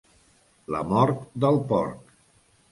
La mort del porc.